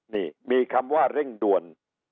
นี่มีคำว่าเร่งด่วน